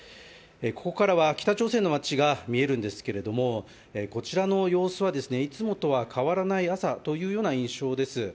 ここからは北朝鮮の町が見えるんですけれど、こちらの様子はいつもと変わらない朝という印象です。